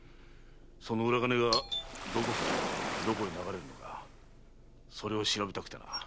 その裏金がどこから生まれどこへ流れるのかそれを調べたくてな。